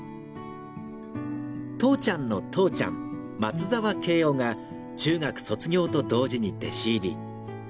とうちゃんのとうちゃん松澤敬夫が中学卒業と同時に弟子入り。